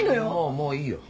もういい。